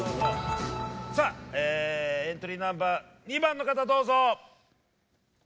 さぁえぇエントリーナンバー２番の方どうぞ。